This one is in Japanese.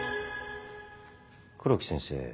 黒木先生